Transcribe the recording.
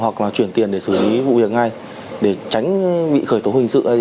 hoặc là chuyển tiền để xử lý vụ việc ngay để tránh bị khởi tố hình sự